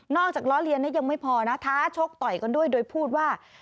จากล้อเลียนยังไม่พอนะท้าชกต่อยกันด้วยโดยพูดว่า